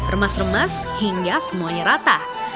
remas remas hingga semuanya rata